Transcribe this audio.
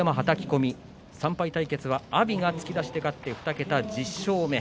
３敗対決は阿炎が突き出しで勝って２桁１０勝目。